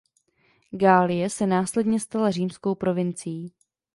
Galie se následně stala římskou provincií.